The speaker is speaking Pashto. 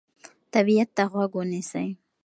طبیعت ته غوږ ونیسئ.